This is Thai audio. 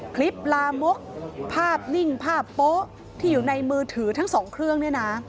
คลิปลามุกภาพนิ่งภาพโป๊ะที่อยู่ในมือถือทั้ง๒เครื่อง